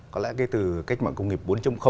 có lẽ từ cách mạng công nghiệp bốn